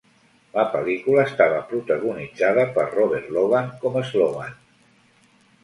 La pel·lícula estava protagonitzada per Robert Logan com Sloane.